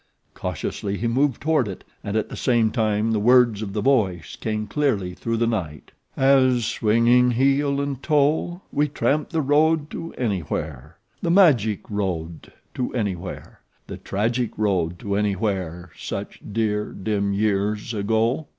Cautiously he moved toward it, and at the same time the words of the voice came clearly through the night: "'... as, swinging heel and toe, 'We tramped the road to Anywhere, the magic road to Anywhere, 'The tragic road to Anywhere, such dear, dim years ago.'"